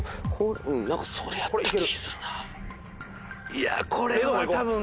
いやこれは多分。